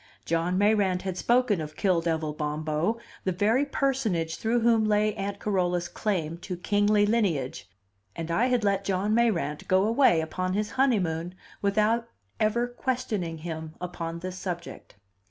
John Mayrant had spoken of Kill devil Bombo, the very personage through whom lay Aunt Carola's claim to kingly lineage, and I had let John Mayrant go away upon his honeymoon without ever questioning him upon this subject.